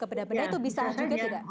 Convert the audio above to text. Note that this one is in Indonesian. ke benda benda itu bisa juga tidak